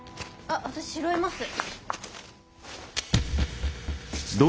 あっ私拾います。